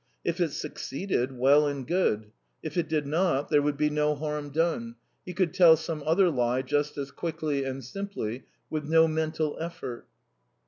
If it succeeded well and good; if it did not, there would be no harm done he could tell some other lie just as quickly and simply, with no mental effort.